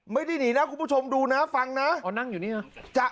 ไม่ได้หนีนะคุณผู้ชมดูน้ำฟังนะ